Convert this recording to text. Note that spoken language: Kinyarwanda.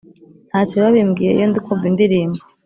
ntacyo biba bimbwiye iyo ndikumva indirimbo